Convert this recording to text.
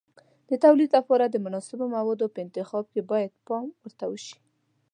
د تولید لپاره د مناسبو موادو په انتخاب کې باید پام ورته وشي.